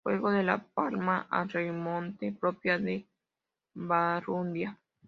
Juego de la palma "a remonte": Propia de Barrundia.